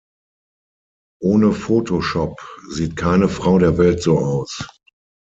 Ohne Photoshop sieht keine Frau der Welt so aus.